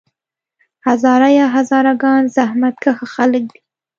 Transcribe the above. هزاره یا هزاره ګان زحمت کښه خلک دي.